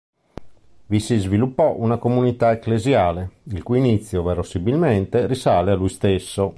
Vi si sviluppò una comunità ecclesiale, il cui inizio verosimilmente risale a lui stesso.